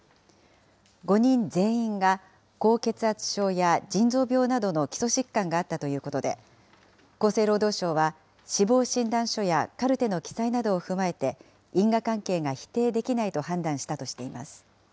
５人全員が高血圧症や腎臓病などの基礎疾患があったということで、厚生労働省は、死亡診断書やカルテの記載などを踏まえて、因果関係が否定できないと判断したとしています。